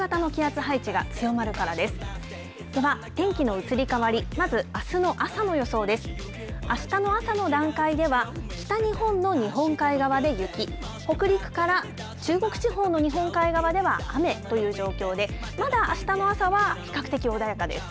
あしたの朝の段階では、北日本の日本海側で雪、北陸から中国地方の日本海側では雨という状況で、まだ、あしたの朝は比較的穏やかです。